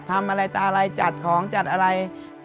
ทำอะไรตาอะไรจัดของจัดอะไร